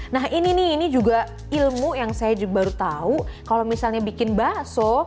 tapi ilmu yang saya baru tahu kalau misalnya bikin bakso